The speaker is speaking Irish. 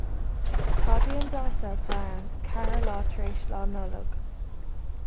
Cad é an dáta atá ann ceathair lá tar éis Lá Nollag?